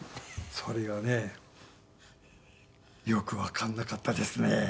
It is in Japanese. それがねよくわかんなかったですね